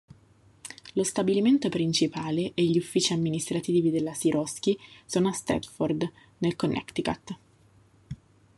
Lo stabilimento principale e gli uffici amministrativi della Sikorsky sono a Stratford nel Connecticut.